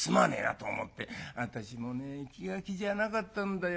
「私もね気が気じゃなかったんだよ。